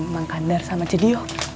mangkandar sama cediyo